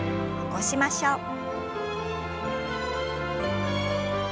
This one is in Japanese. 起こしましょう。